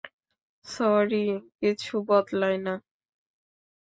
Sorry কিছুই বদলায় না।